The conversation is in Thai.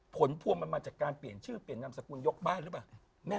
ผลพวงมันมาจากการเปลี่ยนชื่อเปลี่ยนนามสกุลยกบ้านหรือเปล่า